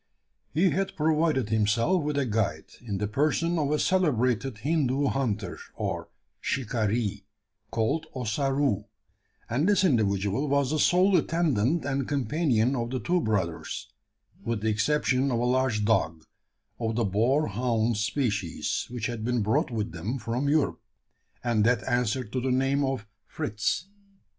He had provided himself with a guide, in the person of a celebrated Hindoo hunter or "shikaree," called Ossaroo; and this individual was the sole attendant and companion of the two brothers with the exception of a large dog, of the boar hound species, which had been brought with them from Europe, and that answered to the name of Fritz.